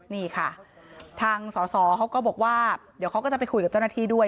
นี่ค่ะทางสอสอเขาก็บอกว่าเดี๋ยวเขาก็จะไปคุยกับเจ้าหน้าที่ด้วย